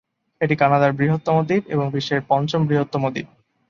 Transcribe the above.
এটি কানাডার বৃহত্তম দ্বীপ এবং বিশ্বের পঞ্চম বৃহত্তম দ্বীপ।